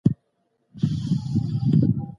آیا زده کړه د کورنۍ په ژوند اغېزه لري؟